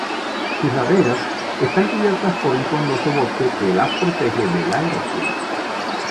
Sus laderas están cubiertas por un frondoso bosque, que las protege de la erosión.